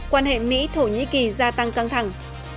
quan hệ mỹ thổ nhĩ kỳ gia tăng căng thẳng